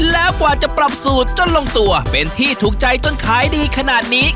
แล้วกว่าจะปรับสูตรจนลงตัวเป็นที่ถูกใจจนขายดีขนาดนี้